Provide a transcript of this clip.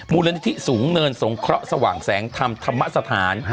มูลนิธิสูงเนินสงเคราะห์สว่างแสงธรรมธรรมสถาน